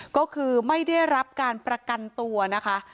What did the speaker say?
ก็คือไม่ได้รับการประกันตัวนะคะ